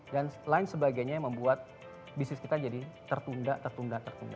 dan lain sebagainya yang membuat bisnis kita jadi tertunda tertunda tertunda